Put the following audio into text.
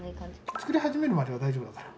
作り始めるまでは大丈夫だから。